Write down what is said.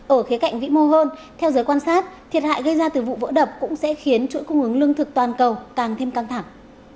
ở khía cạnh vĩ mô hơn theo giới quan sát thiệt hại gây ra từ vụ vỡ đập cũng sẽ khiến chuỗi cung ứng lương thực toàn cầu càng thêm căng thẳng